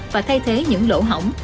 và thay thế những lỗ hỏng